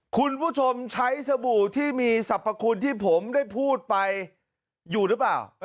คุณผู้ชมใช้สบู่ที่มีสรรพคุณที่ผมได้พูดไปอยู่หรือเปล่า